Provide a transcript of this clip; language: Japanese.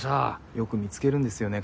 よく見つけるんですよね